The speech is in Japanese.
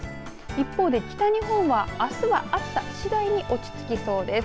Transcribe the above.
一方で北日本は、あすは暑さ次第に落ち着きそうです。